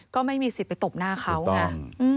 ก็ไม่มีสิทธิ์ไปตบหน้าเขาไง